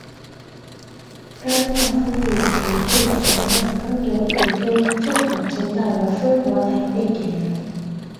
甘道夫与皮聘前往刚铎途中正好见到了烽火台被点燃。